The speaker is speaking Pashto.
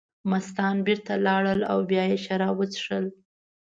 مستان بېرته لاړل او بیا یې شراب وڅښل.